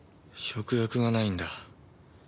食欲がないんだ。